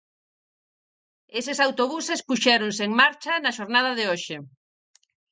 Eses autobuses puxéronse en marcha na xornada de hoxe.